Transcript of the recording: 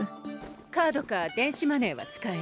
カードか電子マネーは使える？